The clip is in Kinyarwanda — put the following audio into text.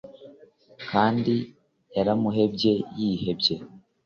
kandi yaramuhebye yihebye.